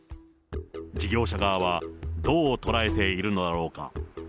事業者側は、どう捉えているのだろうか。